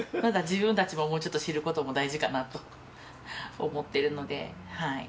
自分たちももうちょっと知ることも大事かなと思っているのではい。